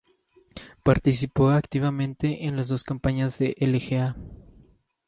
Participó activamente en las dos campañas de Iga.